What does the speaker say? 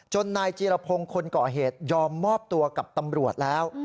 นายจีรพงศ์คนก่อเหตุยอมมอบตัวกับตำรวจแล้ว